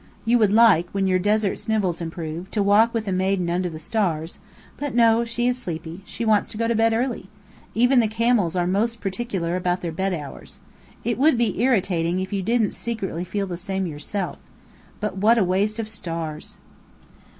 You would like (when your Desert Snivels improve) to walk with a maiden under the stars; but no, she is sleepy! She wants to get to bed early. Even the camels are most particular about their bed hours. It would be irritating, if you didn't secretly feel the same yourself. But what a waste of stars!